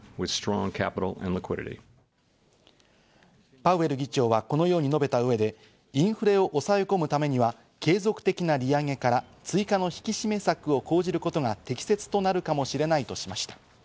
パウエル議長はこのように述べた上で、インフレを抑え込むためには継続的な利上げから追加の引き締め策を講じることが適切となるかもしれないとしました。